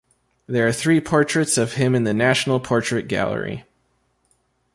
There are three portraits of him in the National Portrait Gallery.